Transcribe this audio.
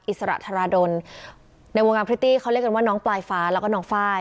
อิสระธาราดลในวงการพริตตี้เขาเรียกกันว่าน้องปลายฟ้าแล้วก็น้องไฟล์